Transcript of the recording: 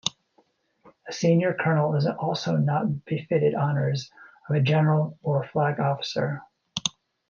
A senior colonel is also not befitted honors of a general or flag officer.